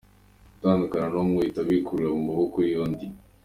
Utandukana n’umwe uhita wirukira mu maboko y’undi.